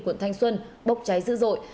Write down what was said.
quận thanh xuân bốc cháy dư dội